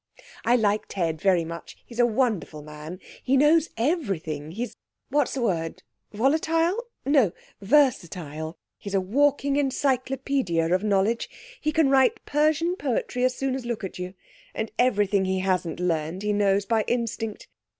I like Ted very much. He's a wonderful man. He knows everything. He's what's the word volatile? No, versatile. He's a walking encyclopaedia of knowledge. He can write Persian poetry as soon as look at you, and everything he hasn't learnt he knows by instinct.